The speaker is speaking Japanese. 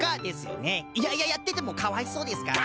いやいややっててもかわいそうですから。